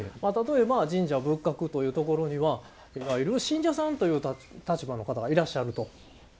例えば神社仏閣というところにはいわゆる信者さんという立場の方がいらっしゃると。